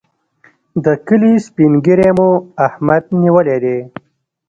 د کلي سپين ږيری مو احمد نیولی دی.